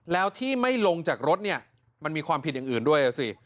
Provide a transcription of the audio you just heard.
แล้วที่ไม่ลงจากรถเนี่ยมันมีความผิดอย่างอื่นด้วยอ่ะสิ